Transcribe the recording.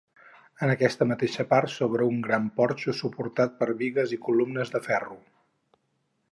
En aquesta mateixa part s'obre un gran porxo suportat per bigues i columnes de ferro.